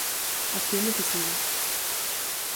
Acción decisiva.